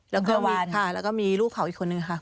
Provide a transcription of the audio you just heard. แล้วก็หวานค่ะแล้วก็มีลูกเขาอีกคนนึงค่ะ